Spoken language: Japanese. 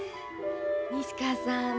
西川さん